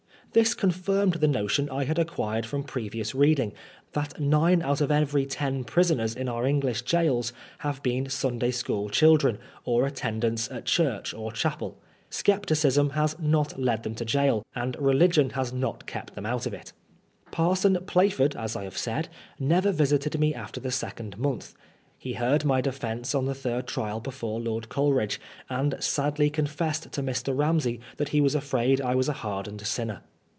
This confirmed the notion I had acquired from pre vious reading, that nine out of every ten prisoners in our English gaols have been Sunday school children, or attendants at church or chapel. Scepticism has not led them to gaol, and religion has not kept them out of it. Parson Plaf ord, as I have said, never visited me after the second month. He heard my defence on the third trial before Lord Coleridge, and sadly confessed to Mr. Kamsey that he was afraid I was a hardened sinner.